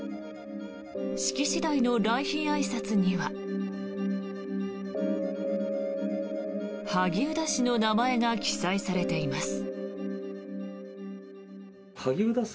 式次第の来賓あいさつには萩生田氏の名前が記載されています。